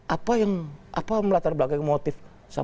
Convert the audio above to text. apa yang melatar belakang motif